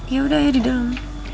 yaudah ya di dalam